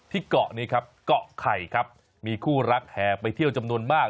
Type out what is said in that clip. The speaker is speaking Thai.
เกาะนี้ครับเกาะไข่ครับมีคู่รักแห่ไปเที่ยวจำนวนมาก